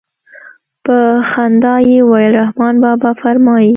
په خندا يې وويل رحمان بابا فرمايي.